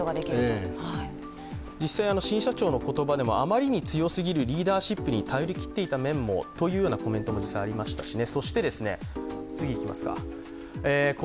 実際、新社長の言葉でもあまりに強すぎるリーダーシップに頼りきっていた面もというコメントもありましたしね。